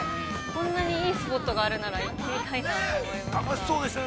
いいスポットあるなら行ってみたいなと思いました。